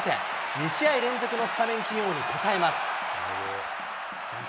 ２試合連続のスタメン起用に応えます。